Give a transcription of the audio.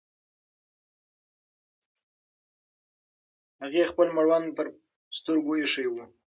هغې خپل مړوند پر سترګو ایښی و.